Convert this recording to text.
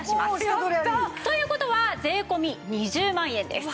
やった！という事は税込２０万円です。